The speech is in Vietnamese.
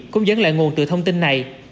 cũng dẫn lại nguồn từ thông tin này